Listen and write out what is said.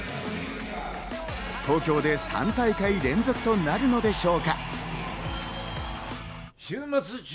東京で３大会連続となるのでしょうか。